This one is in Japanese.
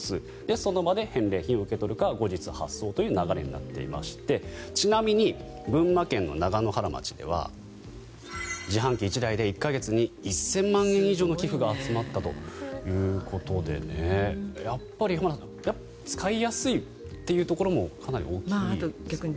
その場で返礼品を受け取るか後日、発送という流れになっていましてちなみに群馬県長野原町では自販機１台で１か月に１０００万円以上の寄付が集まったということでやっぱり使いやすいというところもかなり大きいですよね。